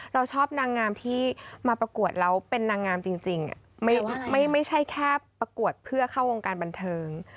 เราชอบนางงามที่มาประกวดแล้วเป็นนางงามจริงไม่ใช่แค่ประกวดเพื่อเข้าวงการบันเทิง